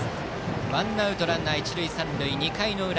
ワンアウトランナー、一塁三塁２回の裏。